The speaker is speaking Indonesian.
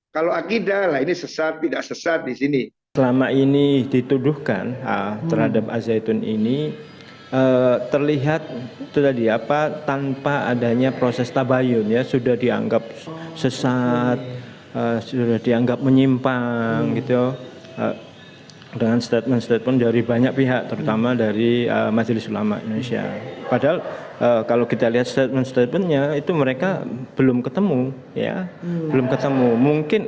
kalau akidah lah ini sesat tidak sesat disini selama ini dituduhkan terhadap azaidun ini terlihat tadi apa tanpa adanya proses tabayun ya sudah dianggap sesat sudah dianggap menyimpang gitu dengan statement statement dari banyak pihak terutama dari majelis ulama indonesia padahal kalau kita lihat statement statementnya itu mereka belum ketemu ya belum ketemu mungkin